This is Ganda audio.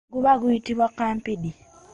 Guba guyitibwa kampindi.